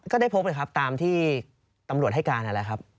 ก็ได้พบเลยครับตามที่ตำรวจให้การนั่นแหละครับ